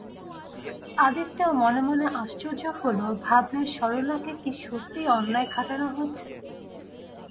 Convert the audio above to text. আদিত্যও মনে মনে আশ্চর্য হল, ভাবলে সরলাকে কি সত্যিই অন্যায় খাটানো হচ্ছে।